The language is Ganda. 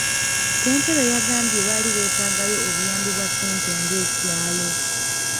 Ssentebe yagambye baali beetaagayo obuyambi bwa ssente ng'ekyalo.